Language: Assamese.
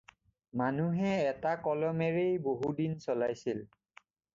মানুহে এটা কলমেৰেই বহুদিন চলাইছিল।